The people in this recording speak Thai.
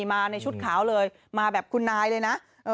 มาในชุดขาวเลยมาแบบคุณนายเลยนะ